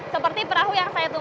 seperti perahu yang saya tunggu